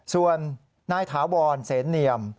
ส่วนนายถาวรเศรษฐ์เนียม